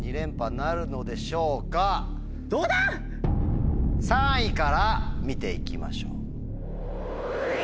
どうだ⁉３位から見て行きましょう。